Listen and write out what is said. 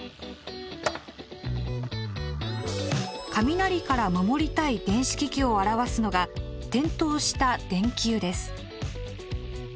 雷から守りたい電子機器を表すのが点灯した電球です。